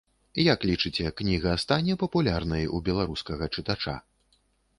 Як лічыце, кніга стане папулярнай у беларускага чытача?